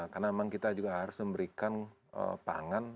karena memang kita juga harus memberikan pangan